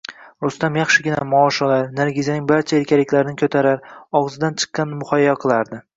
Rustam yaxshigina maosh olar, Nargizaning barcha erkaliklarini ko`tarar, og`zidan chiqqanini muhayyo qilardi